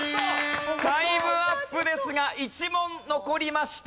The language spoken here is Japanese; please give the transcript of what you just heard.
タイムアップですが１問残りました。